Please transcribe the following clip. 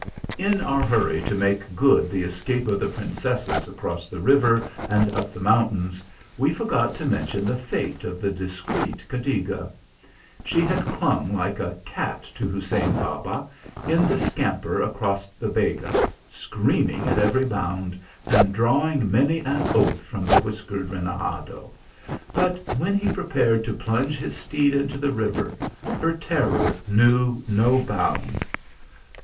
In our hurry to make good the escape of the princesses across the river and up the mountains, we forgot to mention the fate of the discreet Cadiga. She had clung like a cat to Hussein Baba, in the scamper across the Vega, screaming at every bound and drawing many an oath from the whiskered renegado ; but when he prepared to plunge his steed into the river her terror knew no bounds.